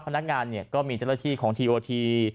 พนักงานก็มีเจ้าหน้าที่ของทีโอที